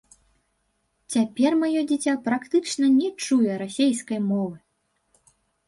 Цяпер маё дзіця практычна не чуе расейскай мовы.